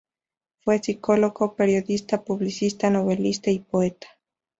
Fue psicólogo, periodista, publicista, novelista y poeta.